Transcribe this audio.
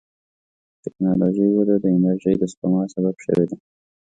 د ټکنالوجۍ وده د انرژۍ د سپما سبب شوې ده.